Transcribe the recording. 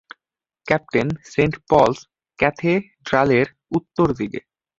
Captain, saint Paul's ক্যাথেড্রালের উত্তর দিকে।